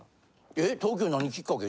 えっ東京に何きっかけ？